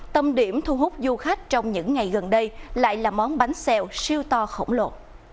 tâm điểm thu hút du khách trong những ngày gần đây lại là món bánh xèo siêu to khổng lồ